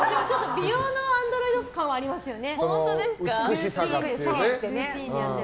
美容のアンドロイド感はありますよね。